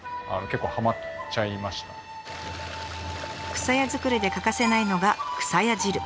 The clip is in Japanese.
くさや作りで欠かせないのがくさや汁。